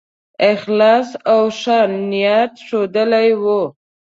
اخلاص او ښه نیت ښودلی وو.